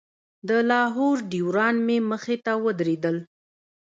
د لاهور ډریوران مې مخې ته ودرېدل.